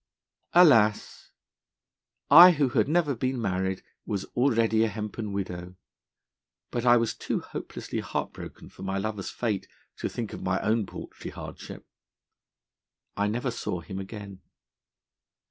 'Alas! I, who had never been married, was already a hempen widow; but I was too hopelessly heartbroken for my lover's fate to think of my own paltry hardship. I never saw him again.